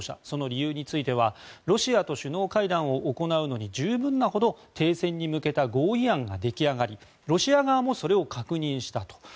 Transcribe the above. その理由についてはロシアと首脳会談を行うのに十分なほど停戦に向けた合意案が出来上がりロシア側もそれを確認したと。